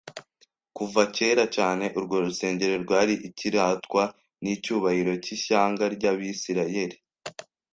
Kuva kera cyane urwo rusengero rwari icyiratwa n'icyubahiro cy'ishyanga ry'Abisiraeli.